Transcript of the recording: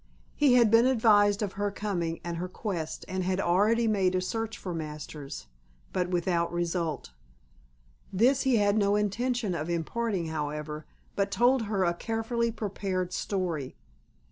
He had been advised of her coming and her quest and had already made a search for Masters, but without result. This he had no intention of imparting, however, but told her a carefully prepared story.